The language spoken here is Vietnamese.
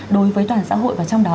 đối với toàn xã hội và trong đó